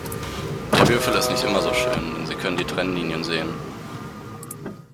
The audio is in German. Der Würfel ist nicht immer so schön, denn Sie können die Trennlinien sehen.